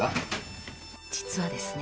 実はですね